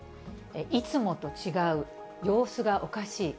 いつもと違う、様子がおかしい。